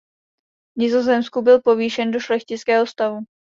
V Nizozemsku byl povýšen do šlechtického stavu.